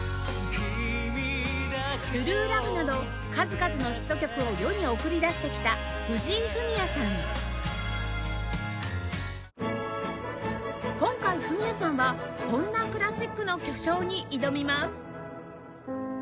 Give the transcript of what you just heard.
『ＴＲＵＥＬＯＶＥ』など数々のヒット曲を世に送り出してきた今回フミヤさんはこんなクラシックの巨匠に挑みます